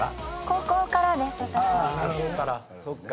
高校からです私は。